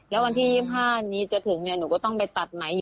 แล้ววันที่๒๕นี้จะถึงหนูก็ต้องไปตัดไหมอีก